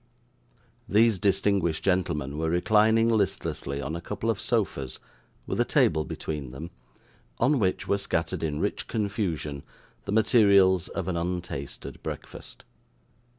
These distinguished gentlemen were reclining listlessly on a couple of sofas, with a table between them, on which were scattered in rich confusion the materials of an untasted breakfast.